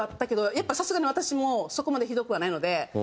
やっぱりさすがに私もそこまでひどくはないので。